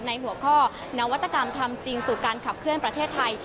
หัวข้อนวัตกรรมทำจริงสู่การขับเคลื่อนประเทศไทย